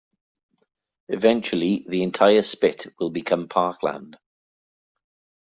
Eventually the entire Spit will become parkland.